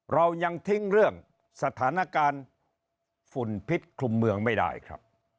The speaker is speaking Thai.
เรายังทิ้งเรื่องสถานการณ์ฝุ่นพิษคลุมเมืองไม่ได้ครับ